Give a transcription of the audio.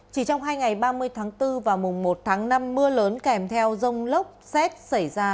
chỉ trong hai ngày ba mươi tháng bốn và mùng một tháng năm mưa lớn kèm theo rông lốc xét xảy ra